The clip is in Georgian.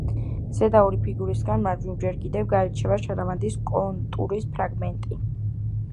ზედა ორი ფიგურისგან, მარჯვნივ, ჯერ კიდევ გაირჩევა შარავანდის კონტურის ფრაგმენტი.